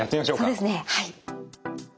そうですねはい。